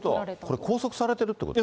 これ、拘束されてるってこと？